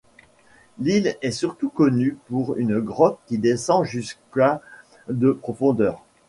L'île est surtout connue pour une grotte qui descend jusqu'à de profondeur.